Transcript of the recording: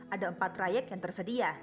ada empat trayek yang tersedia